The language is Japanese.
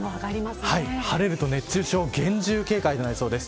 晴れると熱中症に厳重警戒となりそうです。